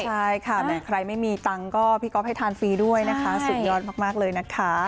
ใช่ค่ะแหมใครไม่มีตังค์ก็พี่ก๊อฟให้ทานฟรีด้วยนะคะสุดยอดมากเลยนะคะ